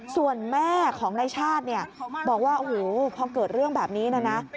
ส่วนแม่ของนายชาติเนี่ยบอกว่าโอ้โหพอเกิดเรื่องแบบนี้นะนะ